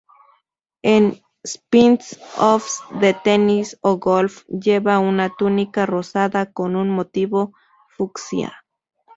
En spin-offs de Tenis o golf lleva una túnica rosada con un motivo fucsia.